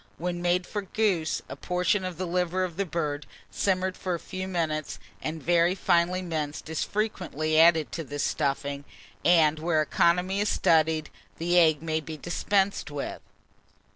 When made for goose, a portion of the liver of the bird, simmered for a few minutes and very finely minced, is frequently added to this stuffing; and where economy is studied, the egg may be dispensed with.